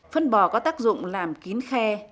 phân bò có tác dụng làm kín khe